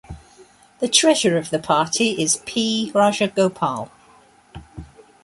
The treasurer of the party is P. Rajagopal.